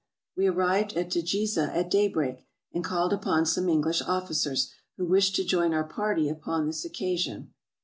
We arrived at Djiza at daybreak, and called upon some English officers, who wished to join our party upon this occasion.